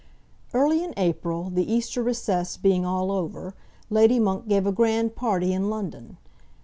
Early in April, the Easter recess being all over, Lady Monk gave a grand party in London.